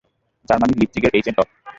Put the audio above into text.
জার্মানির লিপজিগের এইচেনটফ।